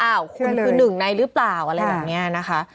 คุณคือหนึ่งในหรือเปล่าอะไรแบบนี้นะคะ